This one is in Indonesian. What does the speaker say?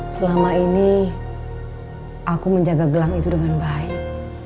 selama ini aku menjaga gelang itu dengan baik